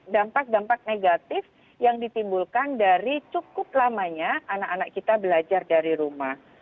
dampak dampak negatif yang ditimbulkan dari cukup lamanya anak anak kita belajar dari rumah